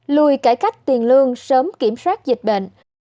lùi cải cách tiền lương sớm kiểm soát dịch bệnh